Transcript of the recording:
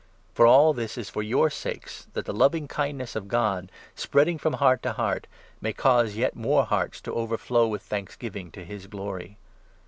For all this is for 15 your sakes, that the loving kindness of God, spreading from heart to heart, may cause yet more hearts to overflow with thanksgiving, to his glory.